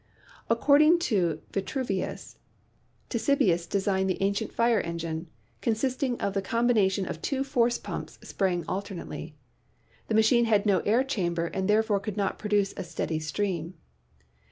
According to Vitruvius, Ctesibius designed the ancient fire engine, consisting of the combination of two force pumps, spraying alternately. The machine had no air chamber, and therefore could not produce a steady stream.